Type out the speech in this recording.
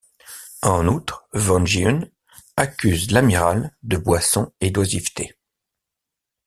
En outre, Won Gyun accuse l'amiral de boisson et d'oisiveté.